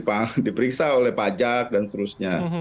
mereka ini tiba tiba jadi diperiksa oleh pajak dan seterusnya